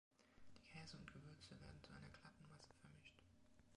Die Käse und Gewürze werden zu einer glatten Masse vermischt.